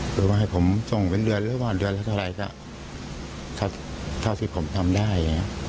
คือว่าให้ผมส่งเป็นเดือนหรือว่าเดือนละเท่าไหร่ก็เท่าที่ผมทำได้